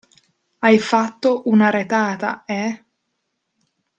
Hai fatto una retata, eh!